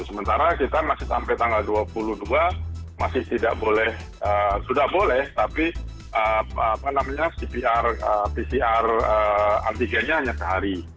sementara kita masih sampai tanggal dua puluh dua masih tidak boleh sudah boleh tapi pcr antigennya hanya sehari